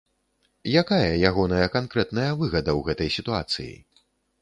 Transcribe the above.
Якая ягоная канкрэтная выгада ў гэтай сітуацыі?